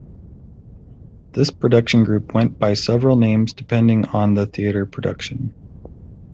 This production group went by several names depending on the theater production.